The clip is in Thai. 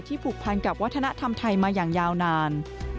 ผูกพันกับวัฒนธรรมไทยมาอย่างยาวนาน